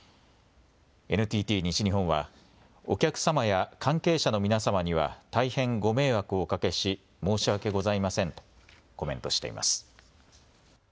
ＮＴＴ西日本はお客様や関係者の皆様には大変ご迷惑をおかけし申し訳ございませんとコメントしています。